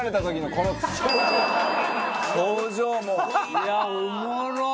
いやおもろっ！